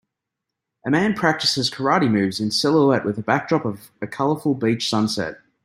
A man practices karate moves in silhouette with a backdrop of a colorful beach sunset.